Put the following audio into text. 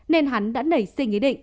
nên hắn đã nảy sinh ý định